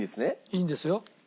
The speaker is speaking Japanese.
いいんですよ。